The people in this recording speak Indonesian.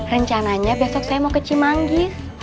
rencananya besok saya mau ke cimanggi